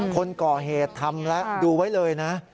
คนก่อเหตุทำแล้วดูไว้เลยนะ